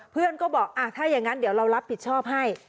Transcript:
เพื่อนก็บอกถ้าอย่างนั้นเดี๋ยวเรารับผิดชอบให้